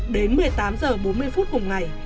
đến một mươi tám h bốn mươi cùng ngày